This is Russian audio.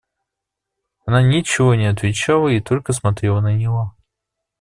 Она ничего не отвечала и только смотрела на него.